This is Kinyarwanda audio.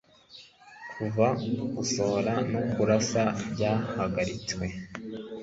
kuva gusohora no kurasa byahagaritswe